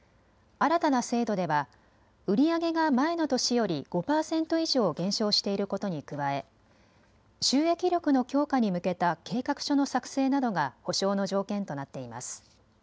新たな制度では売り上げが前の年より５％以上減少していることに加え収益力の強化に向けた計画書の作成などが保証の条件となっています。